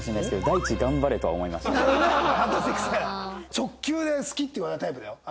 直球で好きって言わないタイプだよ。